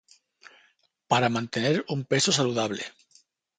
Para mantener un peso saludable